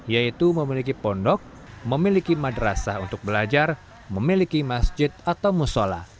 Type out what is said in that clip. yaitu memiliki pondok memiliki madrasah untuk belajar memiliki masjid atau musola